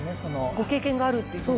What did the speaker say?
ご経験があるっていうふうに。